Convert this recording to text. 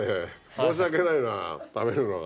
申し訳ないな食べるのが。